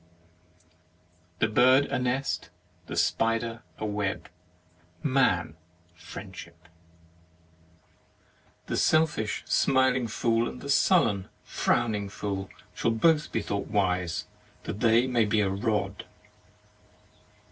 The bird a nest, the spider a web, man friendship. The selfish smiling fool and the sullen frowning fool shall be both thought wise that they may be a rod.